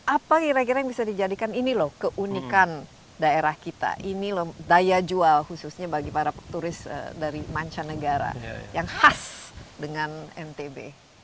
apa kira kira yang bisa dijadikan ini loh keunikan daerah kita ini loh daya jual khususnya bagi para turis dari mancanegara yang khas dengan ntb